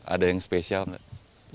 ada yang spesial gak